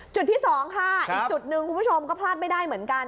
จุดที่๒ค่ะอีกจุดหนึ่งคุณผู้ชมก็พลาดไม่ได้เหมือนกัน